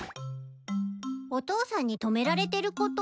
お父さんに止められてること？